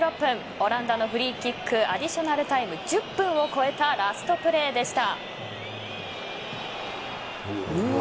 オランダのフリーキックアディショナルタイム１０分を超えたラストプレーでした。